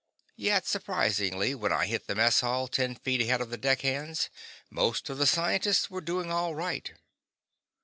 Yet, surprisingly, when I hit the mess hall ten feet ahead of the deckhands, most of the scientists were doing all right.